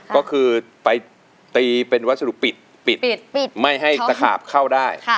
ก็คือไปตีเป็นวัสดุปิดปิดไม่ให้ตะขาบเข้าได้